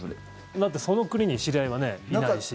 だって、その国に知り合いはいないし。